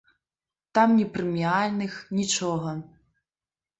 Там ні прэміяльных, нічога.